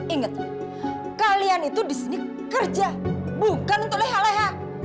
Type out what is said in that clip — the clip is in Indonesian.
ingatlah kalian itu disini kerja bukan untuk leha leha